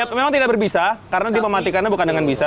memang tidak berbisa karena dimatikannya bukan dengan bisa